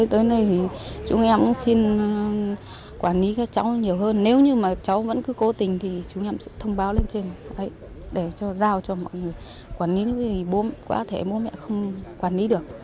tới nay chúng em xin quản lý các cháu nhiều hơn nếu như cháu vẫn cứ cố tình thì chúng em sẽ thông báo lên trên để giao cho mọi người quản lý thì bố mẹ không quản lý được